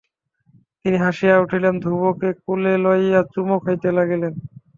তিনি হাসিয়া উঠিলেন, ধ্রুবকে কোলে লইয়া চুমো খাইতে লাগিলেন।